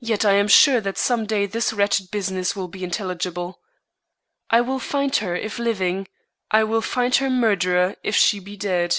Yet I am sure that some day this wretched business will be intelligible. I will find her if living; I will find her murderer if she be dead."